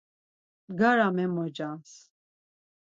Bgara memocans.